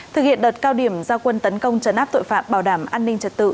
thực hiện đợt cao điểm giao quân tấn công trấn áp tội phạm bảo đảm an ninh trật tự